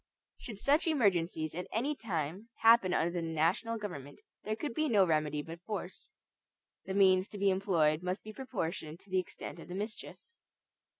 Should such emergencies at any time happen under the national government, there could be no remedy but force. The means to be employed must be proportioned to the extent of the mischief.